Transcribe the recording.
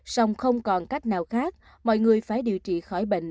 song không còn cách nào khác mọi người phải điều trị khỏi bệnh